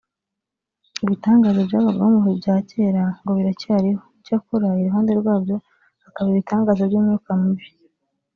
Ibitangaza byabagaho mu bihe bya kera ngo biracyariho cyakora iruhande rwabyo hakaba ibitangaza by’imyuka mibi